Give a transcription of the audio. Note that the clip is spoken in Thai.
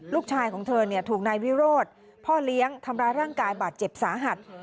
ลูกชายของเธอถูกนายวิโรธพ่อเลี้ยงทำร้ายร่างกายบาดเจ็บสาหัส